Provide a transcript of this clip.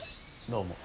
どうも。